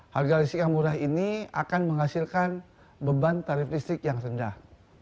harga listrik yang murah ini akan menghasilkan beban tarif listrik yang rendah